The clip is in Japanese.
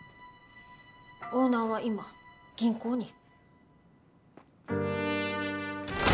オーナーは今銀行に。